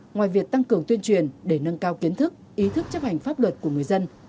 ngoài việc tăng cường tuyên truyền để nâng cao kiến thức ý thức chấp hành pháp luật của người dân